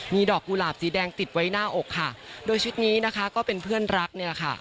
มีดอกกุหลาบสีแดงติดไว้หน้าอกค่ะโดยชุดนี้นะคะก็เป็นเพื่อนรักเนี่ยแหละค่ะ